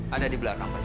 ada di belakang pak